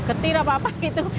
getir apa apa gitu